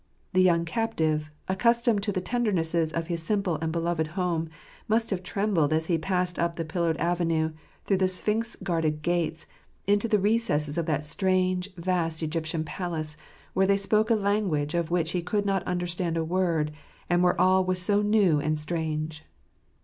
The young captive, accus tomed to the tendernesses of his simple and beldved home, must have trembled as he passed up the pillared avenue, through sphinx guarded gates, into the recesses of that strange, vast Egyptian palace, where they spoke a language of which he could not understand a word, and where all was so new and strange.